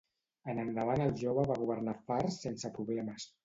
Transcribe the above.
En endavant el jove va governar Fars sense problemes.